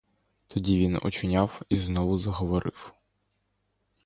Тоді він очуняв і знову заговорив.